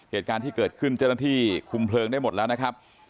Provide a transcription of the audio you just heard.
เหตุการณ์ที่เกิดขึ้นเจ้าหน้าที่คุมเพลิงได้หมดแล้วนะครับ